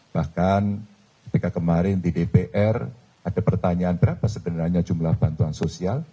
bahkan ketika kemarin di dpr ada pertanyaan berapa sebenarnya jumlah bantuan sosial